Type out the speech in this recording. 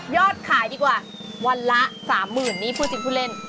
ยอดขายดีกว่าวันละ๓๐๐๐๐อันนี้พูดจริงพูเล่น